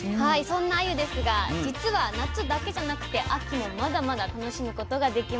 そんなあゆですが実は夏だけじゃなくて秋もまだまだ楽しむことができます。